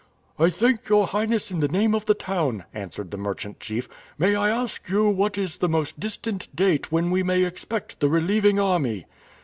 "I thank your Highness in the name of the town," answered the merchant chief. "May I ask you what is the most distant date when we may expect the relieving army?"